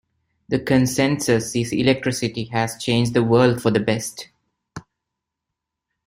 The consensus is electricity has changed the world for the best.